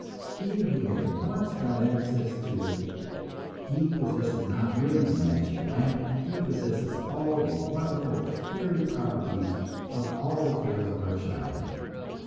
He who has once got access to it he possesses not merely the magic lamp, he possesses all the wonderful fairy properties of all the tales of our childhood.